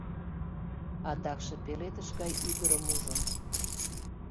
Адакше пеледыш гай ӱдырым ужым.